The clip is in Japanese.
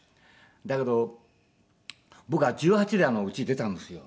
だけど僕は１８でうち出たんですよ。